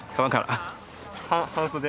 ・半袖？